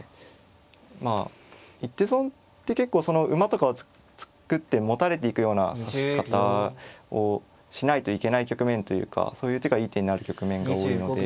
まあ一手損って結構その馬とかを作ってもたれていくような指し方をしないといけない局面というかそういう手がいい手になる局面が多いので。